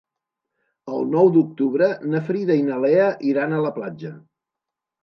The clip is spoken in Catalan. El nou d'octubre na Frida i na Lea iran a la platja.